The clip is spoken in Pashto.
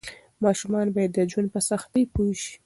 ماشومان باید د ژوند په سختۍ پوه شي.